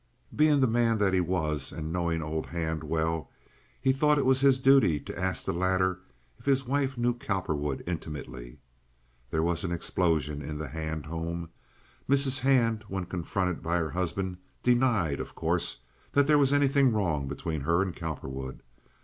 Being the man that he was and knowing old Hand well, he thought it was his duty to ask the latter if his wife knew Cowperwood intimately. There was an explosion in the Hand home. Mrs. Hand, when confronted by her husband, denied, of course, that there was anything wrong between her and Cowperwood.